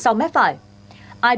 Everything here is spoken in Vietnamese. ai biết thông tin